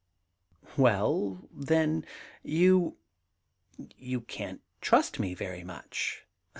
* Well then, you — you can't trust me very much.'